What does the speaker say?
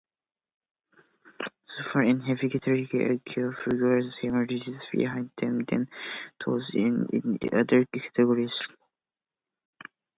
Super and heavy-category aircraft require greater separation behind them than those in other categories.